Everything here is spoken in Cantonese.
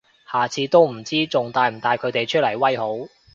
下次都唔知仲帶唔帶佢哋出嚟威好